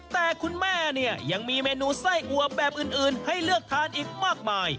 แต่คุณแม่เนี่ยยังมีเมนูไส้อัวแบบอื่นให้เลือกทานอีกมากมาย